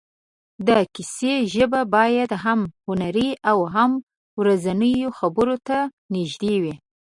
د کیسې ژبه باید هم هنري او هم ورځنیو خبرو ته نږدې وي.